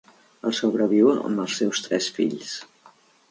El sobreviu amb els seus tres fills.